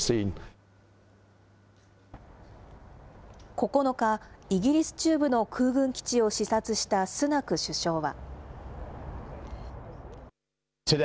９日、イギリス中部の空軍基地を視察したスナク首相は。